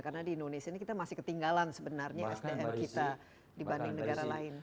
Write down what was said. karena di indonesia ini kita masih ketinggalan sebenarnya sdm kita dibanding negara lain